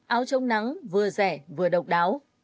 áo chống nắng vừa rẻ vừa độc đáo